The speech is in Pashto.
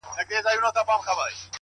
زارۍ.